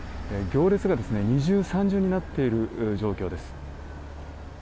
行列が二重三重になっている状況です。